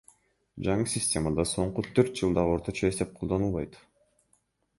Жаңы системада соңку төрт жылдагы орточо эсеп колдонулбайт.